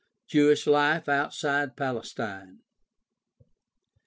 Jewish life outside Palestine.